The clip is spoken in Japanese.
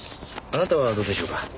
あなたはどうでしょうか？